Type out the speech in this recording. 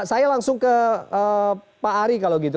saya langsung ke pak ari kalau gitu